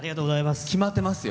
決まってますよ。